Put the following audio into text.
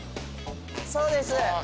そうです。